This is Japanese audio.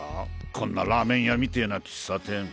こんなラーメン屋みてぇな喫茶店。